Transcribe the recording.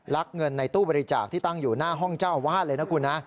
ลักเงินในตู้บริจาคที่ตั้งอยู่หน้าห้องเจ้าอาวาสเลยนะคุณนะ